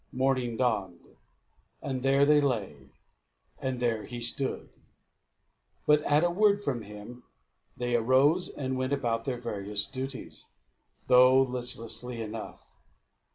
Morning dawned, and there they lay, and there he stood. But at a word from him, they arose and went about their various duties, though listlessly enough.